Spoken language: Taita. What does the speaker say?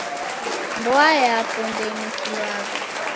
Mboa yapo ndeinukilwagha.